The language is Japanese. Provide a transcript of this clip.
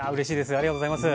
ありがとうございます。